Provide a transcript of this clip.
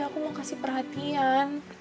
aku mau kasih perhatian